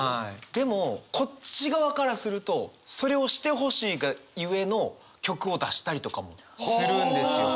でもこっち側からするとそれをしてほしいがゆえの曲を出したりとかもするんですよ。